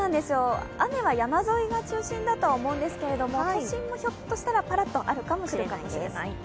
雨は山沿いが中心だと思うんですけれども、都心もひょっとしたらパラッとくるかもしれないです。